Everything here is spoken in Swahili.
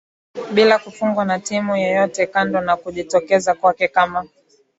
Bila kufungwa na timu yoyote kando na kujitokeza kwake kama